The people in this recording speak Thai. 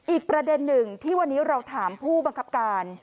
อีกประเด็นหนึ่งที่วันนี้เราถามผู้บังคับการ